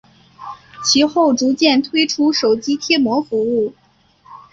其后逐渐推出手机贴膜服务。